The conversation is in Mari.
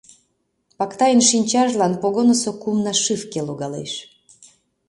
Пактайын шинчажлан погонысо кум нашивке логалеш.